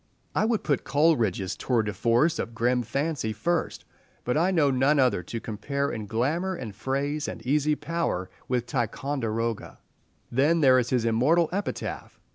I would put Coleridge's tour de force of grim fancy first, but I know none other to compare in glamour and phrase and easy power with "Ticonderoga." Then there is his immortal epitaph.